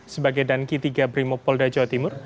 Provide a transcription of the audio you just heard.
sebagai danki tiga brimopolda jawa timur